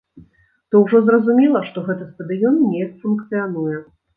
То ўжо зразумела, што гэты стадыён неяк функцыянуе.